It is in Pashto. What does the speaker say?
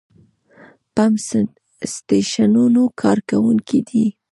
پمپ سټېشنونو کارکوونکي دي.